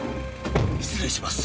失礼します。